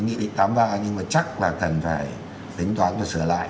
nghị định tám mươi ba nhưng mà chắc là cần phải tính toán và sửa lại